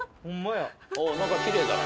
なんかきれいだな。